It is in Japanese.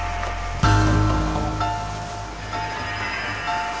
ああ。